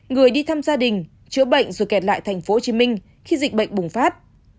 người đi thăm gia đình chữa bệnh rồi kẹt lại tp hcm khi dịch bệnh bùng phát